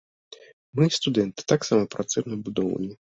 Мы, студэнты, таксама працуем на будоўлі.